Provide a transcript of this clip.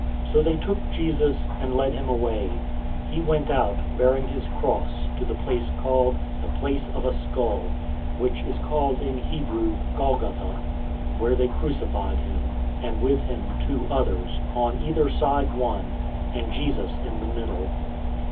So they took Jesus and led him away. 019:017 He went out, bearing his cross, to the place called "The Place of a Skull," which is called in Hebrew, "Golgotha," 019:018 where they crucified him, and with him two others, on either side one, and Jesus in the middle.